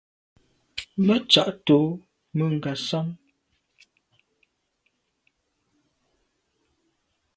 Me tsha’t’o me Ngasam.